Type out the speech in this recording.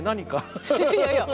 いやいやいや。